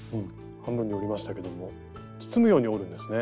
半分に折りましたけども包むように折るんですね。